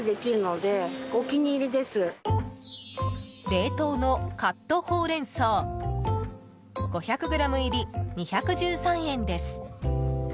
冷凍のカットほうれん草５００ｇ入り、２１３円です。